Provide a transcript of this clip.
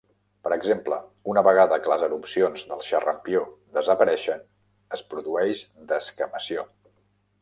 Per exemple, una vegada que les erupcions del xarampió desapareixen, es produeix descamació.